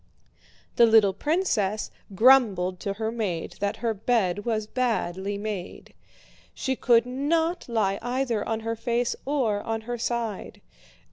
The little princess grumbled to her maid that her bed was badly made. She could not lie either on her face or on her side.